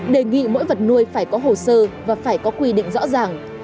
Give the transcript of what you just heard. đề nghị mỗi vật nuôi phải có hồ sơ và phải có quy định rõ ràng